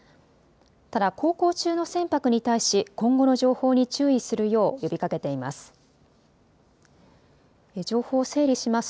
ただ航行中の船舶に対し今後の情報に注意するよう呼びかけています。